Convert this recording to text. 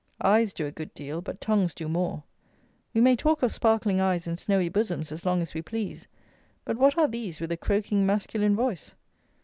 Eyes do a good deal, but tongues do more. We may talk of sparkling eyes and snowy bosoms as long as we please; but what are these with a croaking, masculine voice?